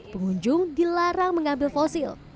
pengunjung dilarang mengambil fosil